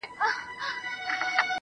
په غلطۍ کي رشتیا وویل سي